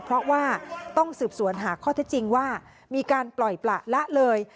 เพราะว่าต้องสืบสวนหาข้อเท็จจริงว่ามีการปล่อยประละเลย